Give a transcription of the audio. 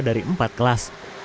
dari empat kelas